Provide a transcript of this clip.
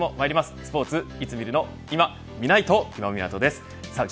スポーツいつ見るのいま、みないと今湊です。